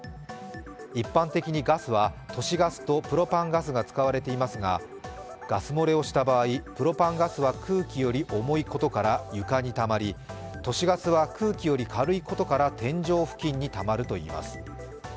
一般的にガスは都市ガスとプロパンガスが使われていますが、ガス漏れをした場合、プロパンガスは空気より重いことから床にたまり都市ガスは空気より軽いことから天井付近にたまるといいます。